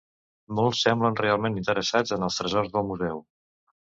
Molts semblen realment interessats en els tresors del museu.